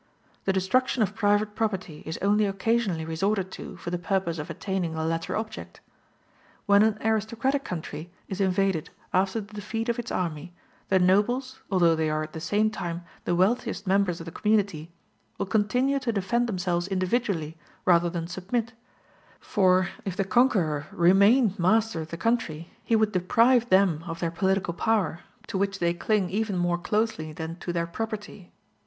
The destruction of private property is only occasionally resorted to for the purpose of attaining the latter object. When an aristocratic country is invaded after the defeat of its army, the nobles, although they are at the same time the wealthiest members of the community, will continue to defend themselves individually rather than submit; for if the conqueror remained master of the country, he would deprive them of their political power, to which they cling even more closely than to their property.